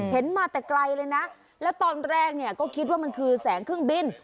มาแต่ไกลเลยนะแล้วตอนแรกเนี่ยก็คิดว่ามันคือแสงเครื่องบิน